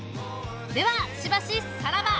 ではしばしさらば！